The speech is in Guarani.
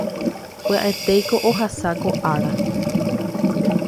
pya'etéiko ohasa ko ára